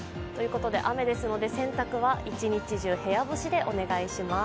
雨ですので、洗濯は一日中部屋干しでお願いします。